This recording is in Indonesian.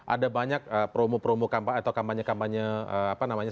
ada banyak promo promo kampanye kampanye